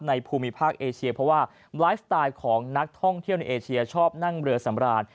ภูมิภาคเอเชียเพราะว่าไลฟ์สไตล์ของนักท่องเที่ยวในเอเชียชอบนั่งเรือสำราญ